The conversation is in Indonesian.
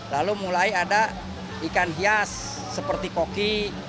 lalu mulai ada ikan hias seperti koki